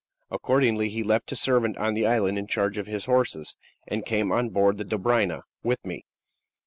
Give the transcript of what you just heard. Accordingly, he left his servant on the island in charge of his horses, and came on board the Dobryna with me.